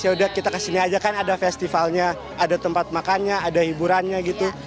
ya udah kita kesini aja kan ada festivalnya ada tempat makannya ada hiburannya gitu